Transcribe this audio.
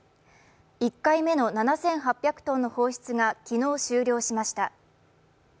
１回目の７８００ｔの放出が昨日、終了しました。